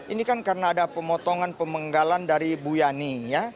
ini kan karena ada pemotongan pemenggalan dari bu yani ya